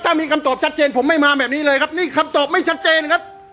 ถ้ามีคำตอบชัดเจนผมไม่มาแบบนี้เลยครับนี่คำตอบไม่ชัดเจนครับ